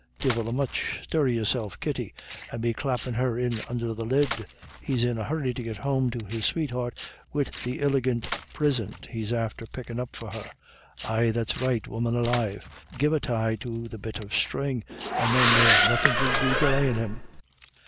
Divil a much. Stir yourself, Kitty, and be clappin' her in under the lid. He's in a hurry to get home to his sweetheart wid the iligant prisint he's after pickin' up for her. Ay, that's right, woman alive; give a tie to the bit of string, and then there's nothin' to be delayin' him."